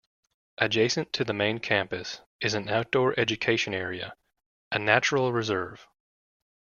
Adjacent to the main campus is an outdoor education area, a natural reserve.